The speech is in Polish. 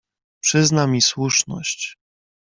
"Przyzna mi słuszność."